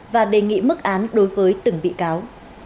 và đề nghị mức án đối với từng bị cáo